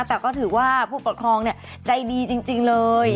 แต่ก็ถือว่าผู้ปกครองใจดีจริงเลย